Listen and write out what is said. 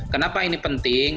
kenapa ini penting